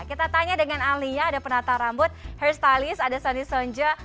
kita tanya dengan alia ada penata rambut hairstylist ada sonny sonjo